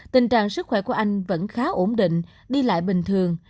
tình trạng sức khỏe của anh vẫn khá ổn định đi lại bình thường